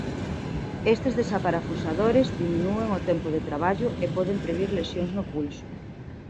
Estes desaparafusadores diminúen o tempo de traballo e poden previr lesións no pulso.